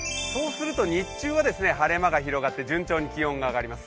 日中は晴れ間が広がって順調に気温が上がります。